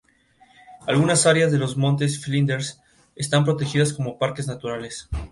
Algunas áreas de los Montes Flinders están protegidas como parques naturales.